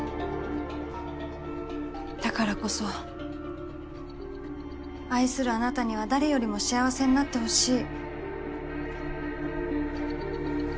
だからこそ愛するあなたには誰よりも幸せになって欲しい。